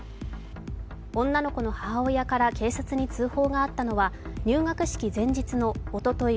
女の子の母親から警察に通報があったのは、入学式前日のおととい